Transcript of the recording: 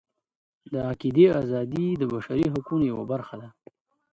د عقیدې ازادي د بشري حقونو یوه برخه ده.